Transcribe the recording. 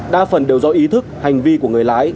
đa phần đều do ý thức hành vi của người lái